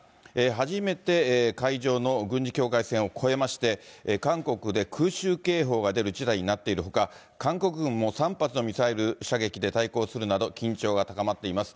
初めて海上の軍事境界線を越えまして、韓国で空襲警報が出る事態になっているほか、韓国軍も３発のミサイル射撃で対抗するなど、緊張が高まっています。